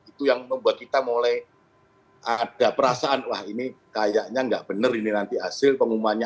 itu yang membuat kita mulai ada perasaan wah ini kayaknya nggak benar ini nanti hasil pengumumannya